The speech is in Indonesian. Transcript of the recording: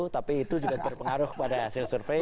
tapi itu juga berpengaruh pada hasil survei